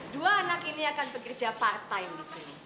dua anak ini akan bekerja part time di sini